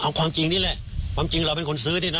เอาความจริงนี่แหละความจริงเราเป็นคนซื้อนี่นะ